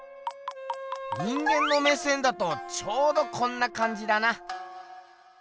人間の目線だとちょうどこんなかんじだな。